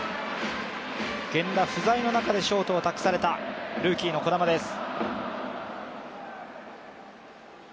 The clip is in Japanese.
源田不在の中でショートを託されたルーキーの児玉です。